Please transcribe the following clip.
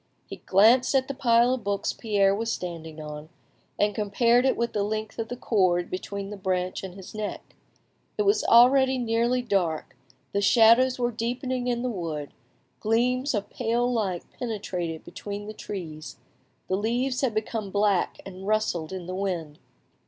He glanced at the pile of books Pierre was standing on, and compared it with the length of the cord between the branch and his neck. It was already nearly dark, the shadows were deepening in the wood, gleams of pale light penetrated between the trees, the leaves had become black and rustled in the wind.